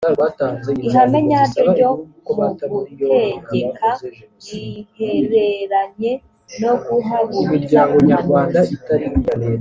ihame nyayo ryo mu gutegeka rihereranye no guhagurutsa umuhanuzi